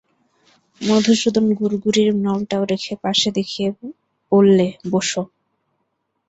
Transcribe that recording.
মধুসূদন গুড়গুড়ির নলটা রেখে পাশে দেখিয়ে দিয়ে বললে, বোসো।